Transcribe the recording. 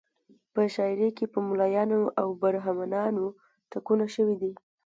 په شاعري کې په ملایانو او برهمنانو ټکونه شوي دي.